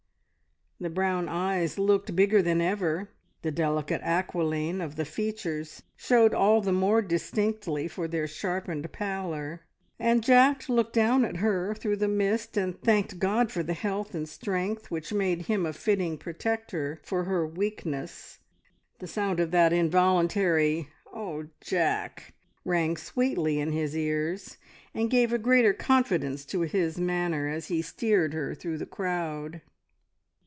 The brown eyes looked bigger than ever, the delicate aquiline of the features showed all the more distinctly for their sharpened pallor, and Jack looked down at her through the mist, and thanked God for the health and strength which made him a fitting protector for her weakness. The sound of that involuntary "Oh, Jack!" rang sweetly in his ears, and gave a greater confidence to his manner, as he steered her through the crowd.